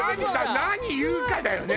何言うかだよね。